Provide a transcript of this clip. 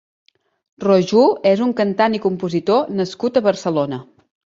Rojuu és un cantant i compositor nascut a Barcelona.